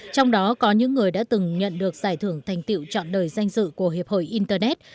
trong đó có những người đã từng nhận được giải thưởng thành tiệu chọn đời danh dự của hiệp hội internet